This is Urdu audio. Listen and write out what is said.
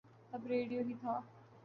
تب ریڈیو ہی تھا۔